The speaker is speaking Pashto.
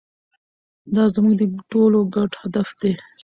دا زموږ د ټولو ګډ هدف دی.